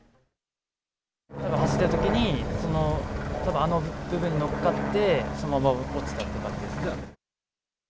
走っていたときに、あの部分に乗っかって、そのまま落ちたっていう感じです。